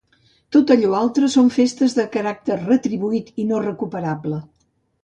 Tot allò altre són festes de caràcter retribuït i no recuperable.